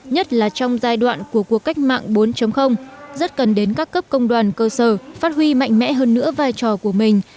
nhất là trong giai đoạn của cuộc cách mạng bốn rất cần đến các cấp công đoàn cơ sở phát huy mạnh mẽ hơn nữa vai trò của mình